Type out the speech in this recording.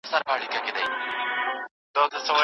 د خوړو مسمومیت د ټولنې په اقتصادي وده ناوړه اغېز کوي.